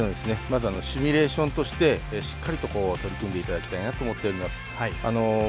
まずシミュレーションとしてしっかりと取り組んで頂きたいなと思っております。